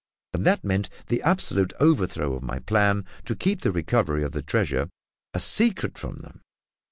And that meant the absolute overthrow of my plan to keep the recovery of the treasure a secret from them!